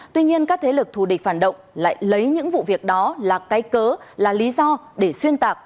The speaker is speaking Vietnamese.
tuy nhiên các thế lực thù địch phản động lại lấy những vụ việc đó là cái cớ là lý do để xuyên tạc